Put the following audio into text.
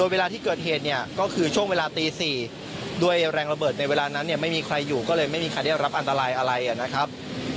เวลาที่เกิดเหตุเนี่ยก็คือช่วงเวลาตี๔ด้วยแรงระเบิดในเวลานั้นเนี่ยไม่มีใครอยู่ก็เลยไม่มีใครได้รับอันตรายอะไรนะครับ